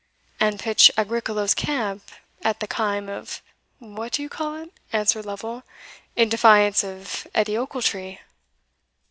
"And pitch Agricola's camp at the Kaim of what do you call it," answered Lovel, "in defiance of Edie Ochiltree?"